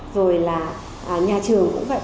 rồi là nhà trường cũng vậy